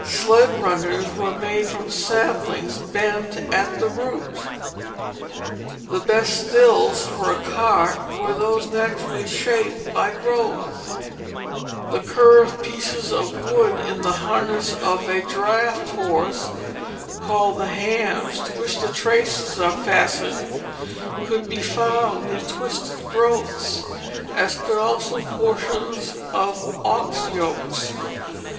Sled runners were made from saplings bent at the root. The best thills for a cart were those naturally shaped by growth. The curved pieces of wood in the harness of a draught horse, called the hames, to which the traces are fastened, could be found in twisted growths, as could also portions of ox yokes.